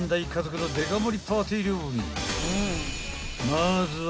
［まずは］